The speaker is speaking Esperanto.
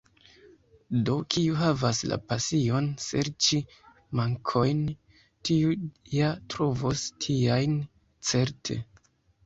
Do, kiu havas la pasion serĉi mankojn, tiu ja trovos tiajn certe.